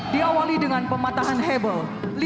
diawali dengan pematahan hebel